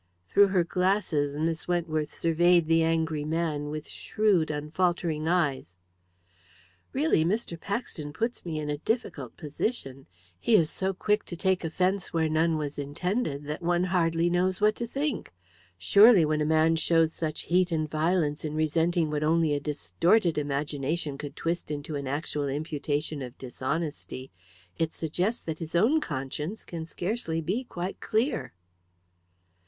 Through her glasses Miss Wentworth surveyed the angry man with shrewd, unfaltering eyes. "Really, Mr. Paxton puts me in a difficult position. He is so quick to take offence where none was intended, that one hardly knows what to think. Surely, when a man shows such heat and such violence in resenting what only a distorted imagination could twist into an actual imputation of dishonesty, it suggests that his own conscience can scarcely be quite clear."